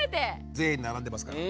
全員並んでますから。